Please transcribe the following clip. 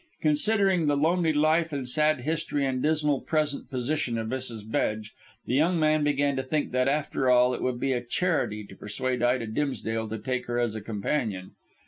Considering the lonely life and sad history and dismal present position of Mrs. Bedge, the young man began to think that, after all, it would be a charity to persuade Ida Dimsdale to take her as a companion.